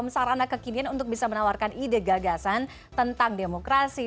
sarana kekinian untuk bisa menawarkan ide gagasan tentang demokrasi